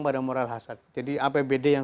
pada moral hasad jadi apbd yang